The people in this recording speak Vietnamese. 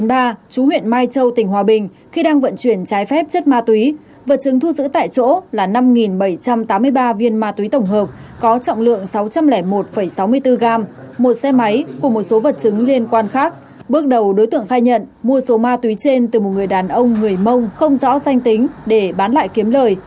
bước đầu đối tượng khai nhận mua số ma túy trên từ một người đàn ông người mông không rõ danh tính để bán lại kiếm lời